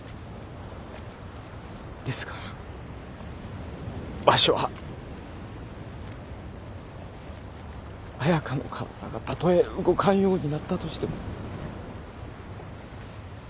ですがわしは彩佳の体がたとえ動かんようになったとしても。